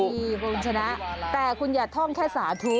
ดีคุณชนะแต่คุณอย่าท่องแค่สาธุ